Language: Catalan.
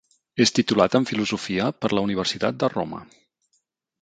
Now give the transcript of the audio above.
És titulat en filosofia per la Universitat de Roma.